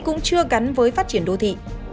cũng chưa gắn với phát triển đô thị